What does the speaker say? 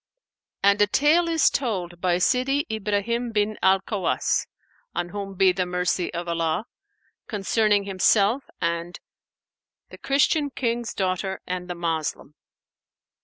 And a tale is told by Sνdi Ibrahim bin Al Khawwαs[FN#489](on whom be the mercy of Allah!) concerning himself and THE CHRISTIAN KING'S DAUGHTER AND THE MOSLEM.